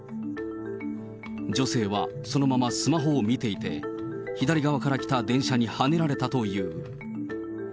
女性はそのままスマホを見ていて、左側から来た電車にはねられたという。